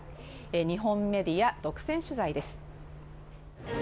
日本メディア独占取材です。